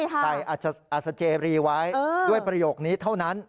ใส่อัศเจรีไว้ด้วยประโยคนี้เท่านั้น